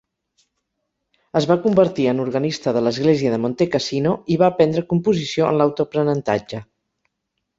Es va convertir en organista de l'Església de Montecassino i va aprendre composició en l'autoaprenentatge.